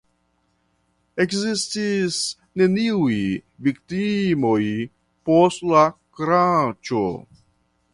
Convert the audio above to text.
Ekzistis neniuj viktimoj post la kraŝo.